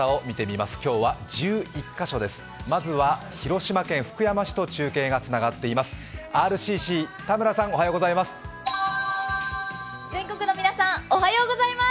まずは広島県福山市と中継がつながっています。